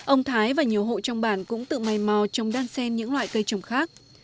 ông thái và nhiều hộ trong bản cũng tự may mau trong đan sen những loại cây trồng khác